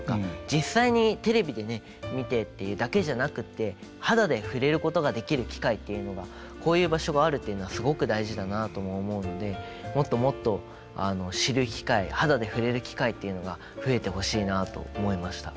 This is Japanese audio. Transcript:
実際にテレビでね見てっていうだけじゃなくって肌で触れることができる機会というのがこういう場所があるっていうのはすごく大事だなとも思うのでもっともっと知る機会肌で触れる機会っていうのが増えてほしいなと思いました。